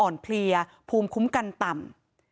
เพลียภูมิคุ้มกันต่ำ